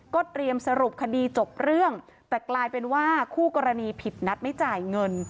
เตรียมสรุปคดีจบเรื่องแต่กลายเป็นว่าคู่กรณีผิดนัดไม่จ่ายเงิน